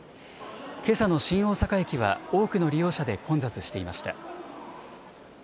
けさの新大阪駅は多くの利用者で混雑していました。